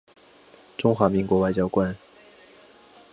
中华民国外交官。